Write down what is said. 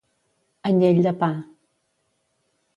Anyell de pa.